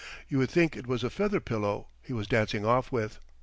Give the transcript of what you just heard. You would think it was a feather pillow he was dancing off with.